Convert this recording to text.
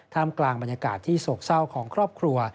กลางบรรยากาศที่โศกเศร้าของครอบครัว